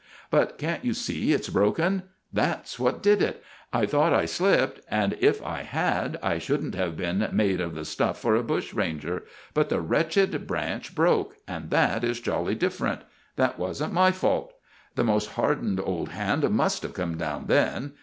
"But can't you see it's broken? That's what did it! I thought I slipped, and if I had I shouldn't have been made of the stuff for a bushranger; but the wretched branch broke, and that is jolly different. That wasn't my fault. The most hardened old hand must have come down then.